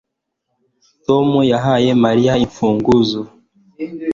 Tom yahaye Mariya imfunguzo